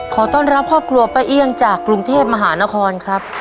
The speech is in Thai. ขอต้อนรับครอบครัวป้าเอี่ยงจากกรุงเทพมหานครครับ